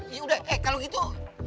ya udah eh kalau gitu